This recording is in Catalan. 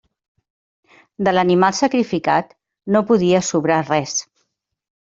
De l'animal sacrificat no podia sobrar res.